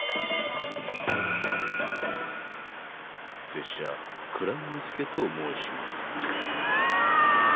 拙者鞍馬の介と申します。